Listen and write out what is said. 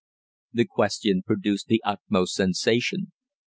The question produced the utmost sensation.